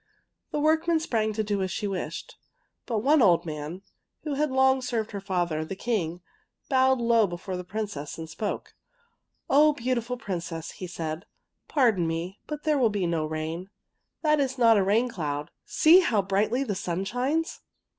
" The workmen sprang to do as she wished. But one old man, who had long served her father, the king, bowed low before the Prin cess and spoke. " Oh, beautiful Princess," he said, " pardon me, but there will be no rain. That is not a rain cloud. See how brightly the sun shines!